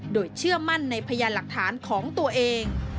โดยเชื่อมั่นในพยานหลักฐานของตัวเอง